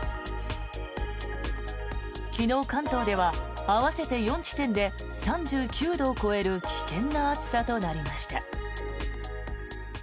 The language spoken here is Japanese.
昨日、関東では合わせて４地点で３９度を超える危険な暑さとなりました。